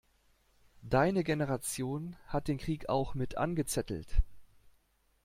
Deine Generation hat den Krieg auch mit angezettelt!